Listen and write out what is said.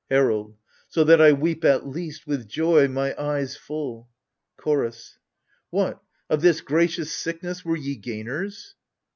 HERALD. So that I weep, at least, with joy, my eyes full. CHOROS. What, of this gracious sickness were ye gainers